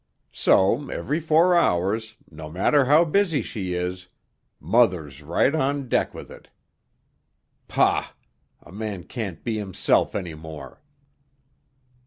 So every four hours, no matter how busy she is, Mother's right on deck with it. Pah! A man can't be himself any more."